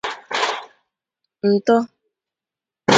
ntọ